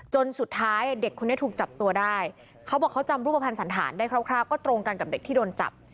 จนสุดท้ายเด็กคนนี้ถูกจับตัวได้เขาบอกเขาจำรูปภัณฑ์สันฐานได้คร่าวก็ตรงกันกับเด็กที่โดนจับ